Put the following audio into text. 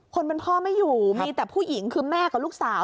คนเป็นพ่อไม่อยู่มีแต่ผู้หญิงคือแม่กับลูกสาว